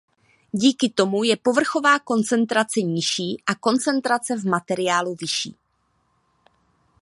Díky tomu je povrchová koncentrace nižší a koncentrace v materiálu vyšší.